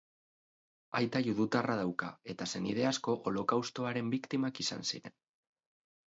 Aita judutarra dauka, eta senide asko Holokaustoaren biktimak izan ziren.